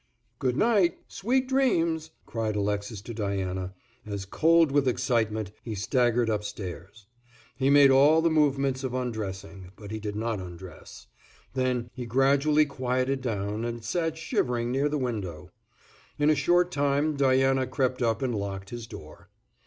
"Good night, sweet dreams," cried Alexis to Diana, as, cold with excitement, he staggered upstairs. He made all the movements of undressing, but he did not undress; then he gradually quieted down and sat shivering near the window. In a short time Diana crept up and locked his door.